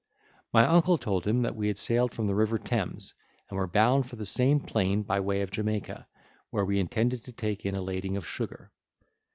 My uncle told him that we had sailed from the River Thames, and were bound for the same plane by the way of Jamaica, where we intended to take in a lading of sugar.